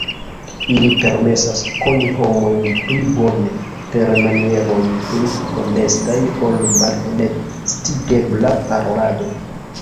Ili permesas koni homojn pli bone, per manieroj pli honestaj ol malhonestigebla parolado.